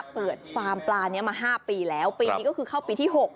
ฟาร์มปลานี้มา๕ปีแล้วปีนี้ก็คือเข้าปีที่๖